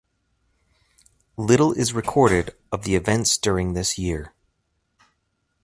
Little is recorded of the events during this year.